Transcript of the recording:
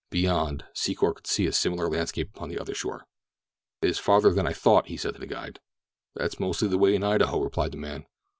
Beyond, Secor could see a similar landscape upon the other shore. "It is farther than I thought," he said to his guide. "That's mostly the way in Idaho," replied the man.